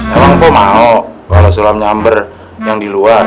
emang kok mau kalau sulam nyamber yang di luar